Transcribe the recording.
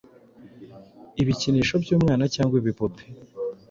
Ibikinisho byumwana cyangwa ibipupe